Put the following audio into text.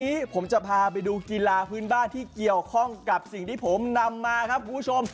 วันนี้ผมจะพาไปดูกีฬาพื้นบ้านที่เกี่ยวข้องกับสิ่งที่ผมนำมาครับคุณผู้ชม